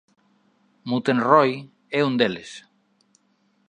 Mutenrohi é un deles.